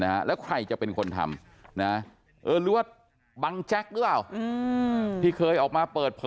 หน้าและใครจะเป็นคนทำแบบนี้นะเอ้อรวดบังแจ็คหรือว่าอุ่นที่เคยเอามาเปิด